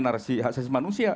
narasi hak asasi manusia